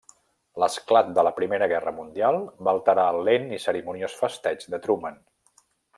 L'esclat de la Primera Guerra Mundial va alterar el lent i cerimoniós festeig de Truman.